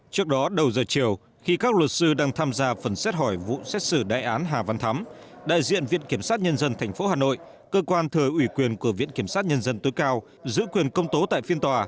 trước đó đầu giờ chiều khi các luật sư đang tham gia phần xét hỏi vụ xét xử đại án hà văn thắm đại diện viện kiểm sát nhân dân tp hà nội cơ quan thờ ủy quyền của viện kiểm sát nhân dân tối cao giữ quyền công tố tại phiên tòa